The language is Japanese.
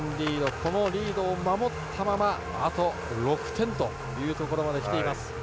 このリードを守ったままあと６点というところまで来ています。